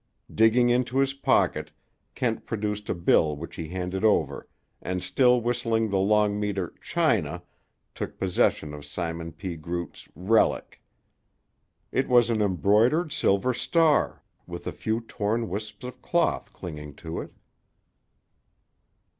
Digging into his pocket, Kent produced a bill which he handed over, and still whistling the long meter China, took possession of Simon P. Groot's "relic". It was an embroidered silver star, with a few torn wisps of cloth clinging to it.